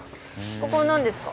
ここは何ですか？